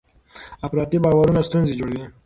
افراطي باورونه ستونزې جوړوي.